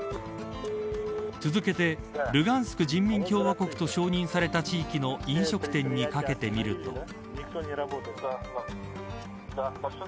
続けて、ルガンスク人民共和国と承認された地域の飲食店にかけてみると。